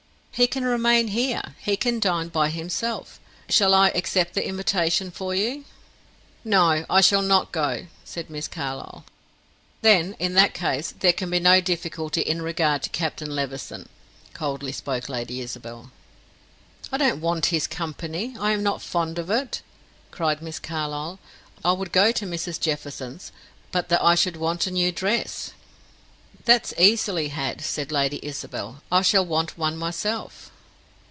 "He can remain here he can dine by himself. Shall I accept the invitation for you?" "No; I shall not go," said Miss Carlyle. "Then, in that case, there can be no difficulty in regard to Captain Levison," coldly spoke Lady Isabel. "I don't want his company I am not fond of it," cried Miss Carlyle. "I would go to Mrs. Jefferson's, but that I should want a new dress." "That's easily had," said Lady Isabel. "I shall want one myself."